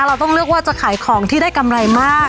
เราต้องเลือกว่าจะขายของที่ได้กำไรมาก